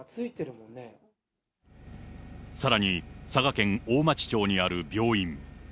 さらに佐賀県大町町にある病院。